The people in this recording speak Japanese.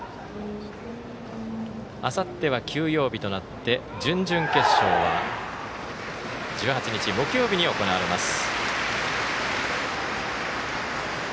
あさっては休養日となって準々決勝は１８日、木曜日に行われます。